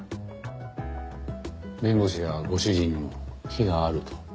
弁護士やご主人にも非があると？